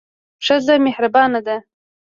ښځه مهربانه ده.